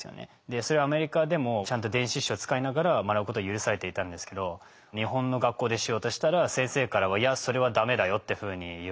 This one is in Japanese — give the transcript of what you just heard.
それはアメリカでもちゃんと電子辞書使いながら学ぶことは許されていたんですけど日本の学校でしようとしたら先生から「いやそれはダメだよ」っていうふうに言われて。